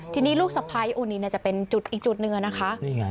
ทีนี้ลูกสภาพอันนี้จะเป็นจุดอีกจุดหนึ่งนะคะ